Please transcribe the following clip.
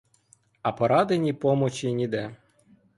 А поради ні помочі ніде.